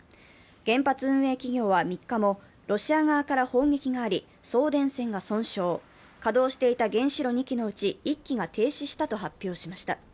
原発運営企業は３日もロシア側から砲撃があり、送電線が損傷、稼働していた原子炉２基のうち１基が停止したと発表しました。